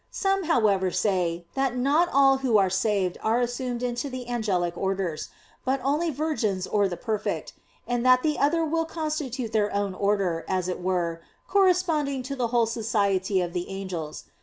Some, however, say that not all who are saved are assumed into the angelic orders, but only virgins or the perfect; and that the other will constitute their own order, as it were, corresponding to the whole society of the angels.